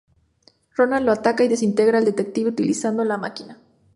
Ronald lo ataca y desintegra al detective utilizando la máquina.